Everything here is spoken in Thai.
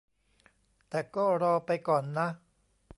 แต่ก็รอไปก่อนนะ